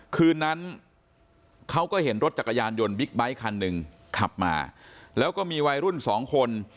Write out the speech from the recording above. คืนนั้นเขาก็เห็นรถจักรยานยนต์บิ๊กไบท์คันหนึ่งขับมาแล้วก็มีวัยรุ่นสองคน